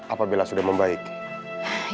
apa bella sudah membaiki